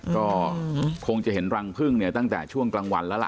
ก็คงจะเห็นรังพึ่งเนี่ยตั้งแต่ช่วงกลางวันแล้วล่ะ